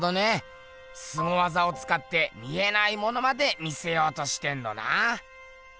すご技をつかって見えないものまで見せようとしてんのな。